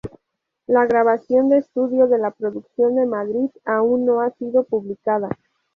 La grabación de estudio de la producción de Madrid aún no ha sido publicada.